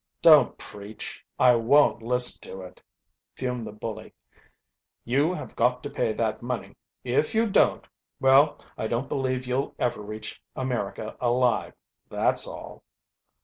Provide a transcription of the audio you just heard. "Don't preach I won't listen to it!" fumed the bully. "You have got to pay that money. If you don't well, I don't believe you'll ever reach America alive, that's all."